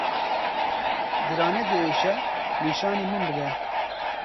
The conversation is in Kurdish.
Diranê diêşe nîşanî min bide.